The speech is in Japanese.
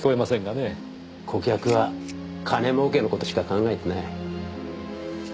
顧客は金もうけの事しか考えてない。